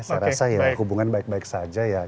saya rasa ya hubungan baik baik saja ya